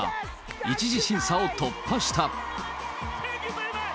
１次審査を突破した。